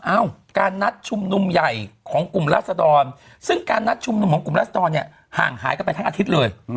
เอ้าการนัดชุมนุมใหญ่ของกลุ่มราศดรซึ่งการนัดชุมนุมของกลุ่มราศดรเนี่ยห่างหายกันไปทั้งอาทิตย์เลย